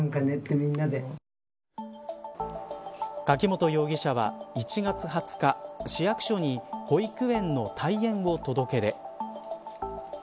柿本容疑者は１月２０日市役所に保育園の退園を届け出。